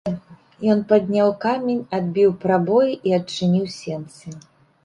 Ён падняў камень, адбіў прабой і адчыніў сенцы.